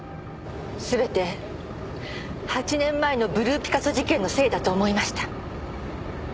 全て８年前のブルーピカソ事件のせいだと思いました。